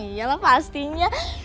iya lah pastinya